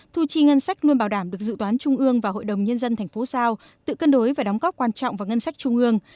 thu chi ngân sách luôn bảo đảm được dự toán trung ương và hội đồng nhân dân thành phố sao tự cân đối và đóng góp quan trọng vào ngân sách trung ương